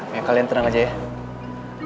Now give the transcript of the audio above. ya kalian tenang aja ya